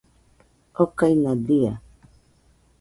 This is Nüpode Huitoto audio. okaina dia